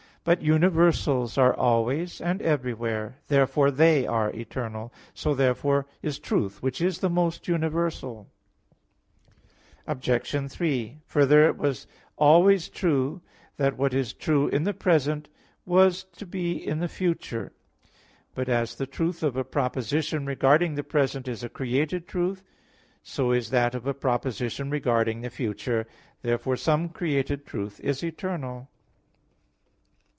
But universals are always and everywhere; therefore they are eternal. So therefore is truth, which is the most universal. Obj. 3: Further, it was always true that what is true in the present was to be in the future. But as the truth of a proposition regarding the present is a created truth, so is that of a proposition regarding the future. Therefore some created truth is eternal.